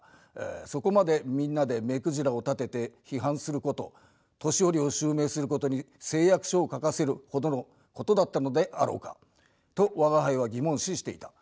そこまでみんなで目くじらを立てて批判すること年寄を襲名することに誓約書を書かせるほどのことだったのであろうかと吾輩は疑問視していた。